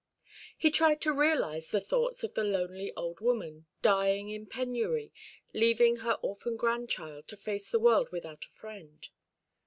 He tried to realise the thoughts of the lonely old woman, dying in penury, leaving her orphan grandchild to face the world without a friend.